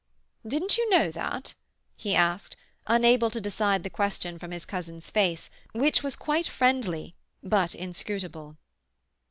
"Didn't you know that?" he asked, unable to decide the question from his cousin's face, which was quite friendly, but inscrutable.